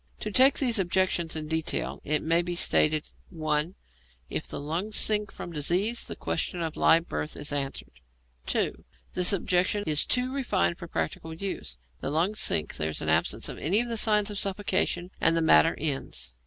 To take these objections in detail, it may be stated: (1) If the lungs sink from disease, the question of live birth is answered. (2) This objection is too refined for practical use. The lungs sink, there is an absence of any of the signs of suffocation, and the matter ends.